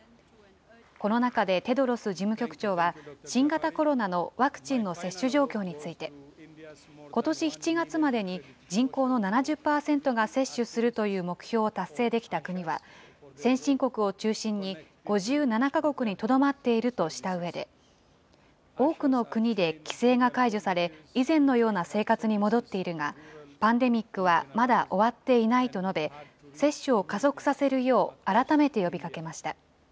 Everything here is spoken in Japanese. この中でテドロス事務局長は、新型コロナのワクチンの接種状況について、ことし７月までに人口の７０％が接種するという目標を達成できた国は先進国を中心に５７か国にとどまっているとしたうえで、多くの国で規制が解除され、以前のような生活に戻っているが、パンデミックはまだ終わっていないと述べ、接種を加速させるよう改めて呼びかけました。